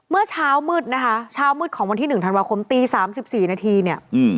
เมื่อเช้ามืดนะคะเช้ามืดของวันที่๑ธันวาคมตี๓๔นาทีเนี่ย